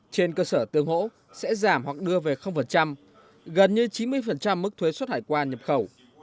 trên cơ sở tường hỗ sẽ giảm hoặc đưa về gần như chín mươi mức thuế xuất hải quan nhập khẩu